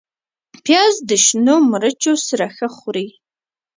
پیاز د شنو مرچو سره ښه خوري